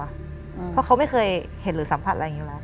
เพราะเขาไม่เคยเห็นหรือสัมผัสอะไรอย่างนี้อยู่แล้ว